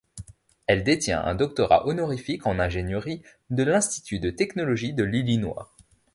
Elle détient un doctorat honorifique en ingénierie de l'Institut de technologie de l'Illinois.